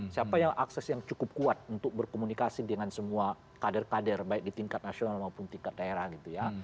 siapa yang akses yang cukup kuat untuk berkomunikasi dengan semua kader kader baik di tingkat nasional maupun tingkat daerah gitu ya